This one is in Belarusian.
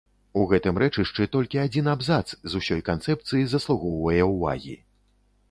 У гэтым рэчышчы толькі адзін абзац з усёй канцэпцыі заслугоўвае ўвагі.